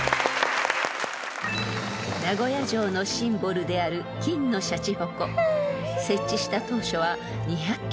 ［名古屋城のシンボルである金のシャチホコ］